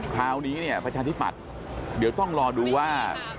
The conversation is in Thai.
คราวนี้ประชาธิปัสเดี๋ยวต้องรอดูว่า